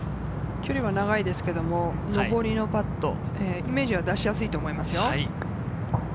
距離は長いんですけれども、のぼりのパット、イメージは出しやすいと思いますよ。